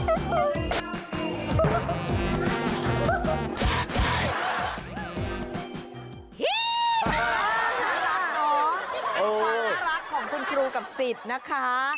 อาหารรักหรอความอารักของคุณครูกับสิทธิ์นะคะ